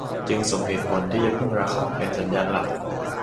จึงสมเหตุผลที่จะพึ่งราคาเป็นสัญญาณหลัก